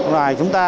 loài chúng ta